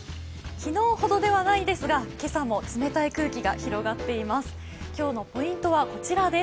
昨日ほどではないですが、今朝も冷たい空気が広がっています。